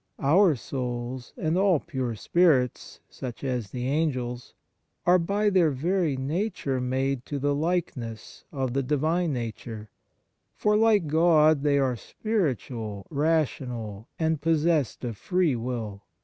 Our souls, and all pure spirits such as the Angels are by their very nature made to the likeness of the Divine Nature; for like God they are spiritual, rational, and possessed of free will.